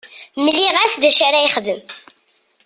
Mliɣ-as d acu ara yexdem.